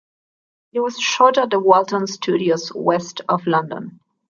It was shot at the Walton Studios west of London.